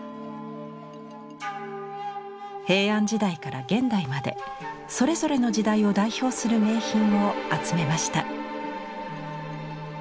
平安時代から現代までそれぞれの時代を代表する名品を集めました。